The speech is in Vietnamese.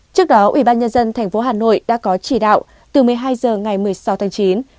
trước đó ủy ban nhân dân thành phố hà nội đã có chỉ đạo từ một mươi hai h ngày một mươi sáu tháng chín